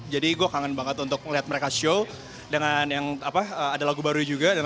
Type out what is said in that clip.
jadi gue kangen banget untuk ngeliat mereka show dengan yang ada lagu baru juga